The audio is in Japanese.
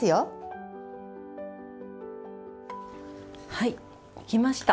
はいできました。